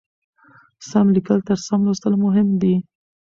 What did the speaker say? سم لیکل تر سم لوستلو مهم دي.